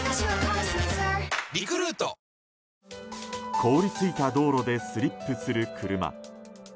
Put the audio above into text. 凍りついた道路でスリップする車。